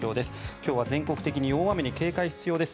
今日は全国的に大雨に警戒が必要です。